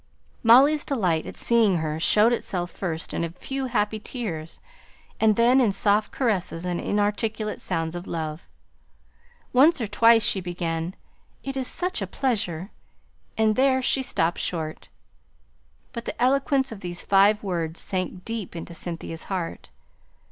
Molly's delight at seeing her showed itself first in a few happy tears; and then in soft caresses and inarticulate sounds of love. Once or twice she began, "It is such a pleasure," and there she stopped short. But the eloquence of these five words sank deep into Cynthia's heart.